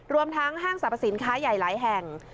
รวมทั้งห้างสรรพสินค้าใหญ่หลายแห่ง